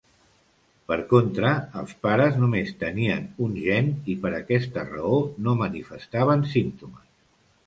Per contra, els pares només tenien un gen i per aquesta raó no manifestaven símptomes.